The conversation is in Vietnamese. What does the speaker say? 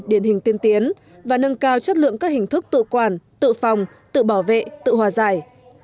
điển hình tiên tiến và nâng cao chất lượng các hình thức tự quản tự phòng tự bảo vệ tự hòa giải